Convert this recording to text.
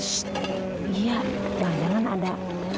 ssst iya jangan ada